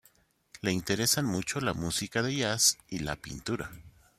Le interesan mucho la música de jazz y la pintura.